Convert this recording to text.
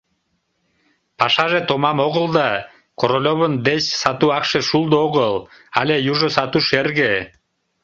Пашаже томам огыл да, Королевын деч сату акше шулдо огыл, але южо сату шерге.